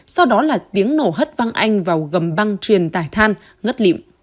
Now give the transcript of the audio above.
sau đó là tiếng nổ hất văng anh vào gầm băng truyền tải than ngất lịm